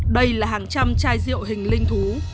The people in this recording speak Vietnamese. đây là hàng trăm chai rượu hình linh thú